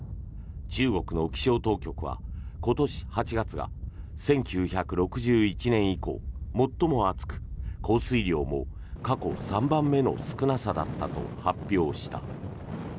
中国の気象当局は今年８月が１９６１年以降最も暑く降水量も過去３番目の少なさだったと発表した。